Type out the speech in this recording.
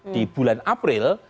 di bulan april